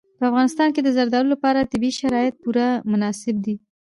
په افغانستان کې د زردالو لپاره طبیعي شرایط پوره مناسب دي.